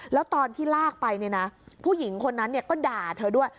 แล้วตอนที่ลากไปเนี่ยนะผู้หญิงคนนั้นก็ด่าเธอด้วย